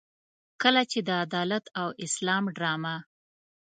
کله چې د عدالت او اسلام ډرامه.